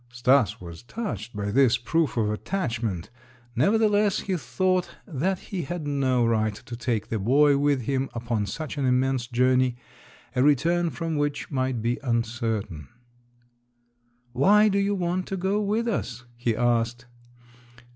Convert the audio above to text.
Stas was touched by this proof of attachment; nevertheless, he thought that he had no right to take the boy with him upon such an immense journey, a return from which might be uncertain. "Why do you want to go with us?" he asked.